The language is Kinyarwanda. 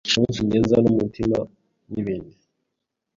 umunsigenza umutima, n’ibindi